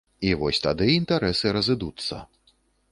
І вось тады інтарэсы разыдуцца.